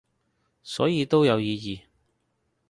所以都有意義